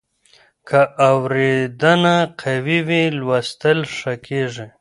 که اورېدنه قوي وي، لوستل ښه کېږي.